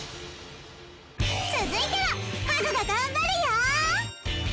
続いてはハグが頑張るよ！